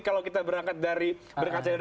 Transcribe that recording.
kalau kita berangkat dari berkacau